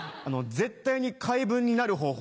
絶対に回文になる方法？